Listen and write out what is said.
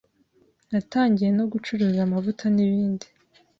natangiye no gucuruza amavuta n’ibindi.